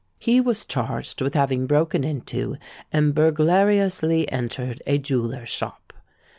He was charged with having broken into and burglariously entered a jeweller's shop.